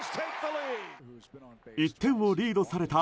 １点をリードされた